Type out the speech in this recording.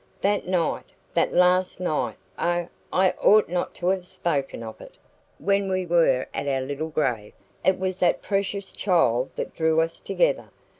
"That night that last night oh, I ought not to have spoken of it! when we were at our little grave. It was that precious child that drew us together.